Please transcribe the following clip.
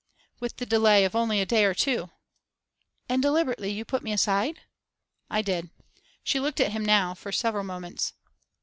'With the delay of only a day or two.' 'And deliberately you put me aside?' 'I did.' She looked at him now for several moments.